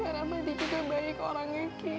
nah ramadi juga baik orangnya ki